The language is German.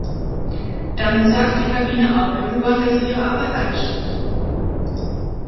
Dann sagt die Kabine auch irgendwann, dass sie ihre Arbeit einstellt.